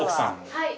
はい。